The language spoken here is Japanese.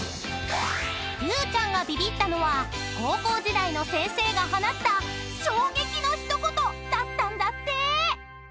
［隆ちゃんがビビったのは高校時代の先生が放った衝撃の一言だったんだって！］